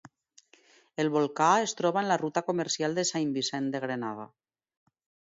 El volcà es troba en la ruta comercial de Saint Vincent a Grenada.